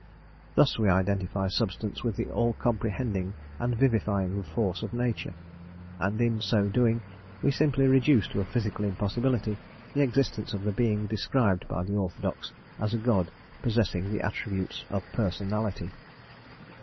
Thus we identify substance with the all comprehending and vivifying force of nature, and in so doing we simply reduce to a physical impossibility the existence of the Being described by the orthodox as a God possessing the attributes of personality.